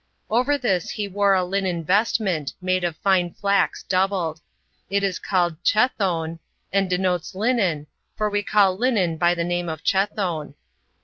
2. Over this he wore a linen vestment, made of fine flax doubled: it is called Chethone, and denotes linen, for we call linen by the name of Chethone.